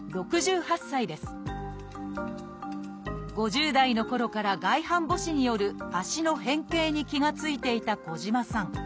５０代のころから外反母趾による足の変形に気が付いていた児島さん。